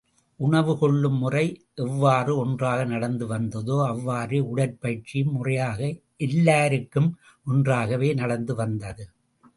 உணவு கொள்ளும் முறை எவ்வாறு ஒன்றாக நடந்து வந்ததோ, அவ்வாறே உடற்பயிற்சியும் முறையாக எல்லாருக்கும் ஒன்றாகவே நடந்துவந்தது.